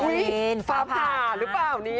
อุ๊ยฟ้าผ่านหรือเปล่า